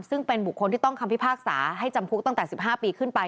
ซึ่งเป็นบุคคลที่ต้องคำพิพากษาให้จำคุกตั้งแต่๑๕ปีขึ้นไป